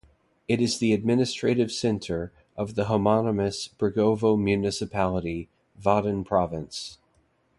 It is the administrative centre of the homonymous Bregovo Municipality, Vidin Province.